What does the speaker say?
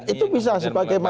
itu bisa sebagai masukan